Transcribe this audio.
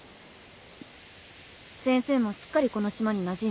先生もすっかりこの島になじんできたわね。